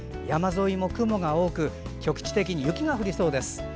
山沿いも雲が多く局地的に雪が降りそうです。